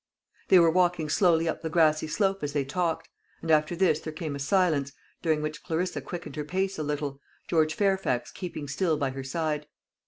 They were walking slowly up the grassy slope as they talked; and after this there came a silence, during which Clarissa quickened her pace a little, George Fairfax keeping still by her side.